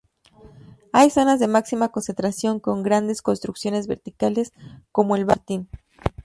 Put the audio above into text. Hay zonas de máxima concentración, con grandes construcciones verticales como el barrio San Martín.